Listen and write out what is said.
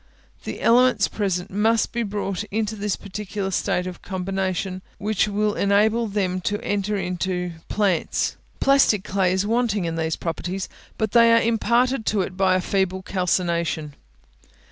The elements present must be brought into that peculiar state of combination which will enable them to enter into plants. Plastic clay is wanting in these properties; but they are imparted to it by a feeble calcination.